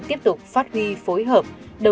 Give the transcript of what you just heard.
tiếp tục phát huy phối hợp